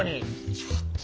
ちょっと。